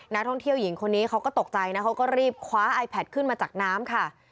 นักท่องเที่ยวหญิงคนนี้เขาก็ตกใจนะเขาก็รีบคว้าไอแพทขึ้นมาจากน้ำค่ะ